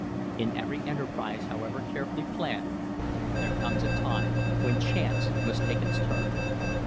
In every enterprise, however carefully planned, there comes a time when chance must take its turn.